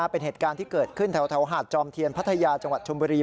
เป็นเหตุการณ์ที่เกิดขึ้นแถวหาดจอมเทียนพัทยาจังหวัดชมบุรี